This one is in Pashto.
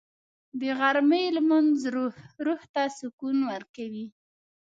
د غرمې لمونځ روح ته سکون ورکوي